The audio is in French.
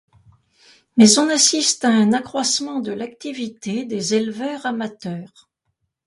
Mais on assiste à un accroissement de l'activité des éleveurs amateurs.